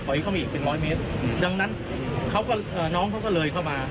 เข้ามาอีกเป็นร้อยเมตรดังนั้นเขาก็เอ่อน้องเขาก็เลยเข้ามา